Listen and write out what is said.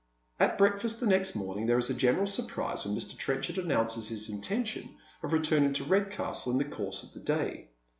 At breakfast the next morning there is general surprise when Mr. Trenchard announces his intention of returning to Redcastle in the course of the day.